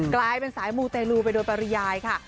กลายเป็นสายบุญแต่รู้ไปโดยปริยายค่ะ